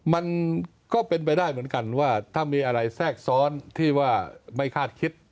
มันก็เป็นไปได้เหมือนกันว่าถ้ามีอะไรแทรกซ้อนที่ว่าไม่คาดคิด